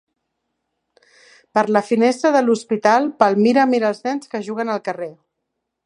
Per la finestra de l'hospital, Palmira mira els nens que juguen al carrer.